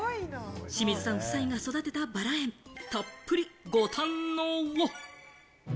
清水さん夫妻が育てたバラ園、たっぷりご堪能を。